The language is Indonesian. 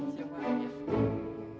selamat siang pak